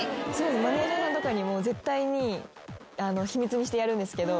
マネジャーさんとかにも絶対に秘密にしてやるんですけど。